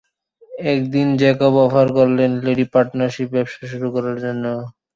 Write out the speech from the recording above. একদিন Jacob offer করেন Levi partnership ব্যবসা শুরু করার জন্য।